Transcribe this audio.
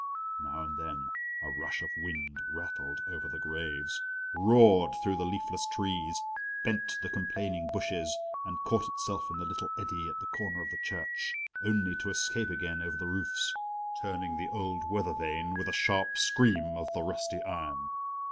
Now and then a rush of wind rattled over the graves, roared through the leafless trees, bent the complaining bushes, and caught itself in the little eddy at the corner of the church, only to escape again over the roofs, turning the old weather vane with a sharp scream of the rusty iron.